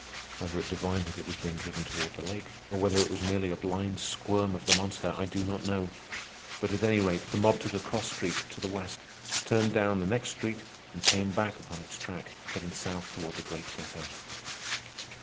Whether it divined that it was being driven toward the lake, or whether it was merely a blind squirm of the monster, I do not know; but at any rate the mob took a cross street to the west, turned down the next street, and came back upon its track, heading south toward the great ghetto.